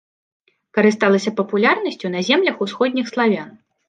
Карысталася папулярнасцю на землях усходніх славян.